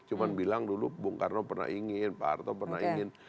cuma bilang dulu bung karno pernah ingin pak harto pernah ingin